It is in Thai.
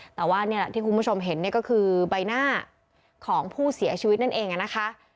แต่ว่านี่แหละที่คุณผู้ชมเห็นเนี่ยก็คือใบหน้าของผู้เสียชีวิตนั่นเองนะคะ